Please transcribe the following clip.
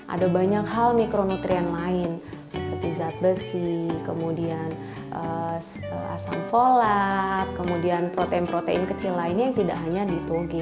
ada banyak hal mikronutrien lain seperti zat besi kemudian asam folat kemudian protein protein kecil lainnya yang tidak hanya di toge